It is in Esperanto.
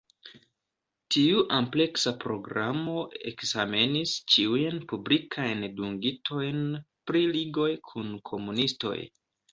Tiu ampleksa programo ekzamenis ĉiujn publikajn dungitojn pri ligoj kun komunistoj.